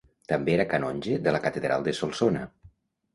També era canonge de la catedral de Solsona.